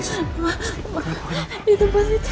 di tempat itu di tempat itu